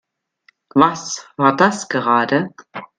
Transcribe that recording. Was war das gerade?